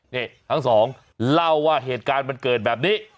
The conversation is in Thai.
นี่ทั้งสองเล่าว่าเหตุการณ์มันเกิดแบบนี้